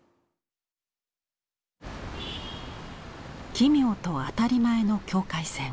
「奇妙」と「当たり前」の境界線。